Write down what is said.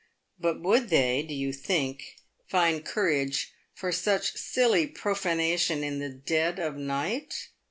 But would they, do you think, find courage for such silly profanation in the dead of night